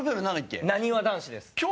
なにわ男子です。